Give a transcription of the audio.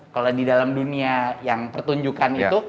kalau di dalam dunia yang pertunjukan itu